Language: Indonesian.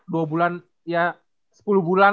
dua bulan ya sepuluh bulan